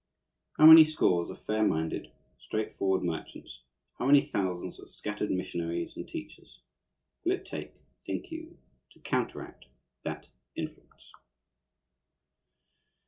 How many scores of fair minded, straightforward merchants, how many thousands of scattered missionaries and teachers will it take, think you, to counteract that influence?